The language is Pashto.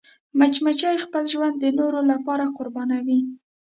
مچمچۍ خپل ژوند د نورو لپاره قربانوي